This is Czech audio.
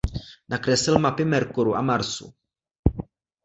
Nakreslil mapy Merkuru a Marsu.